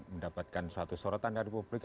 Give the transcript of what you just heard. mendapatkan suatu sorotan dari publik